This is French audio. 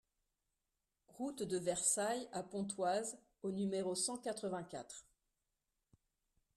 Route de Versailles A Pontoise au numéro cent quatre-vingt-quatre